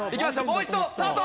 もう一度スタート！